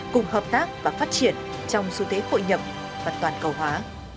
cùng hợp tác và phát triển trong xu thế hội nhập và toàn cầu hóa